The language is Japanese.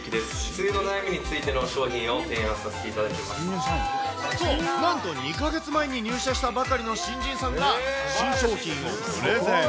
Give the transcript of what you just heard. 梅雨の悩みについての商品を提案そう、なんと２か月前に入社したばかりの新人さんが、新商品をプレゼン。